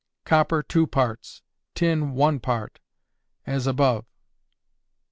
Copper 2 parts: tin 1 part; as above. 4.